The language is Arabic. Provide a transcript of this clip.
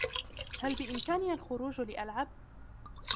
هل بإمكاني الخروج لألعب ؟